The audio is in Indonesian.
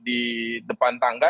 di depan tangga